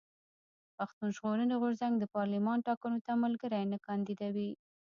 پښتون ژغورني غورځنګ د پارلېمان ټاکنو ته ملګري نه کانديدوي.